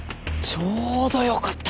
ちょうどよかった。